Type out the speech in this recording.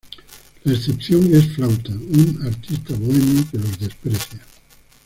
La excepción es Flauta, un artista bohemio que los desprecia.